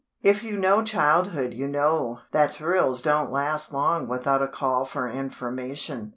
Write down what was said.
If you know childhood you know that thrills don't last long without a call for information.